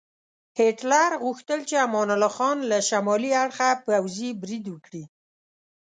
هیټلر غوښتل چې امان الله خان له شمالي اړخه پوځي برید وکړي.